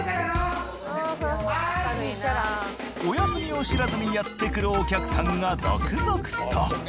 お休みを知らずにやってくるお客さんが続々と。